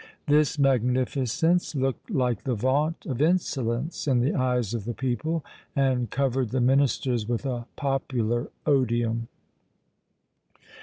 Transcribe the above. This magnificence looked like the vaunt of insolence in the eyes of the people, and covered the ministers with a popular odium.